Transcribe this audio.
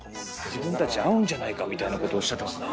自分たち合うんじゃないかみたいな事をおっしゃってますね。